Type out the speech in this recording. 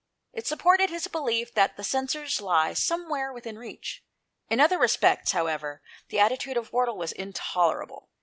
It supported his belief that the censers lay somewhere within reach. In other respects, however, the attitude of Wardle was intolerable.